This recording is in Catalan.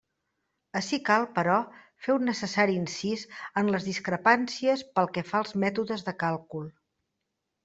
Ací cal, però, fer un necessari incís en les discrepàncies pel que fa als mètodes de càlcul.